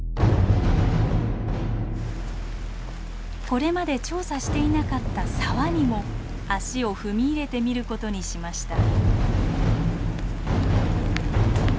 これまで調査していなかった沢にも足を踏み入れてみることにしました。